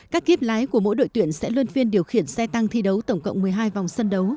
các kiếp lái của mỗi đội tuyển sẽ lươn phiên điều khiển xe tăng thi đấu tổng cộng một mươi hai vòng sân đấu